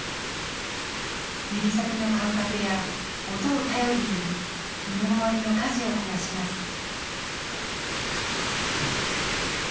指先の感覚や音を頼りに身の回りの家事をこなします。